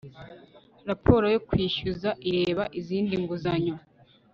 raporo yo kwishyuza ireba izindi nguzanyo